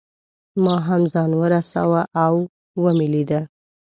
ما هم ځان ورساوه او مې لیده.